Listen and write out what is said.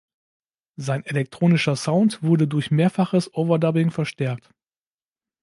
Sein elektronischer Sound wurde durch mehrfaches Overdubbing verstärkt.